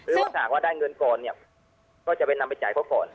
ถ้าหากว่าได้เงินก่อนเนี่ยก็จะไปนำไปจ่ายเขาก่อน